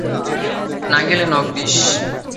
না গেলে knock this.